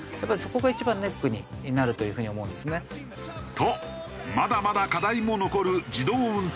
とまだまだ課題も残る自動運転バス。